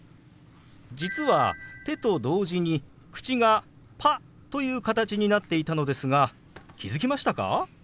実は手と同時に口が「パ」という形になっていたのですが気付きましたか？